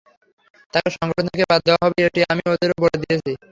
তাঁকে সংগঠন থেকে বাদ দেওয়া হবে, এটি আমি ওদেরও বলে দিয়েছি।